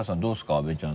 阿部ちゃん。